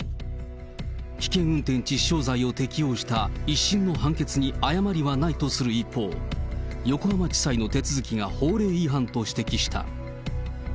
危険運転致死傷罪を適用した１審の判決に誤りはないとする一方、横浜地裁の手続が法令違反と指摘した。